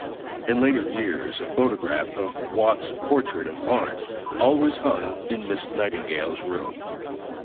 In later years a photograph of Watts's portrait of Lawrence always hung in Miss Nightingale's room.